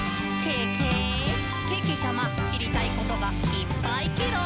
けけちゃま、しりたいことがいっぱいケロ！」